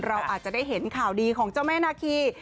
เราอาจจะได้เห็นข่าวดีของเจ้าแม่นาคี